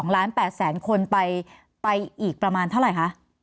๒ล้าน๘แสนคนไปอีกประมาณเท่าไหร่คะ